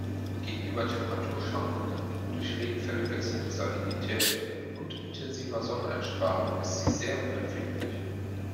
Gegenüber Temperaturschwankungen, durch Regenfälle wechselnde Salinität und intensiver Sonneneinstrahlung ist sie sehr unempfindlich.